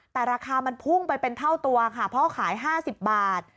แต่ราคามันพุ่งไปเป็นเท่าตัวค่ะเพราะขาย๕๐บาท